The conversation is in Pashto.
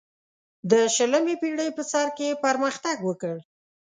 د شلمې پیړۍ په سر کې پرمختګ وکړ.